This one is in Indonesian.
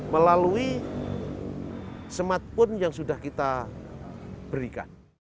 melalui semat pun yang sudah kita berikan